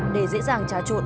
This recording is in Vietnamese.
để dễ dàng trá trộn